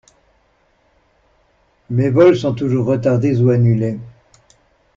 Mes vols sont toujours retardés ou annulés.